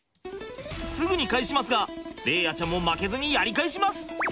すぐに返しますが伶哉ちゃんも負けずにやり返します。